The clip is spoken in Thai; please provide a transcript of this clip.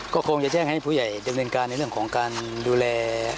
ก็คงจะแจ้งให้ผู้ใหญ่ดำเนินการในเรื่องของการดูแล